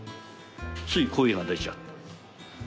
つい声が出ちゃった。